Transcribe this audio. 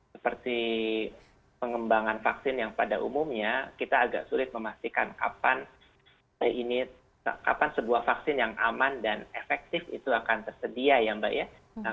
seperti pengembangan vaksin yang pada umumnya kita agak sulit memastikan kapan sebuah vaksin yang aman dan efektif itu akan tersedia ya mbak ya